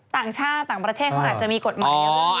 ต่างชาติต่างประเทศเขาอาจจะมีกฎหมาย